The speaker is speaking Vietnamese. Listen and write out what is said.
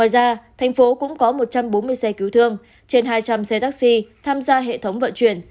điện phố cũng có một trăm bốn mươi xe cứu thương trên hai trăm linh xe taxi tham gia hệ thống vận chuyển